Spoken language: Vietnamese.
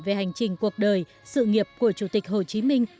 về hành trình cuộc đời sự nghiệp của chủ tịch hồ chí minh